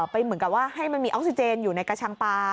เหมือนกับว่าให้มันมีออกซิเจนอยู่ในกระชังปลา